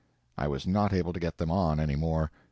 I was not able to get them on any more.